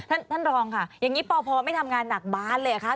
ท่านรองค่ะอย่างนี้พอไม่ทำงานหนักบ้านเลยค่ะ